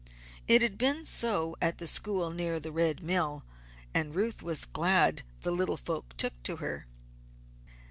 It had been so at the school near the Red Mill, and Ruth was glad the little folk took to her.